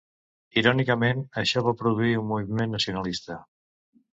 Irònicament, això va produir un moviment nacionalista.